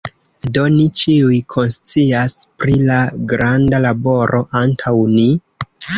Do, ni ĉiuj konscias pri la granda laboro antaŭ ni.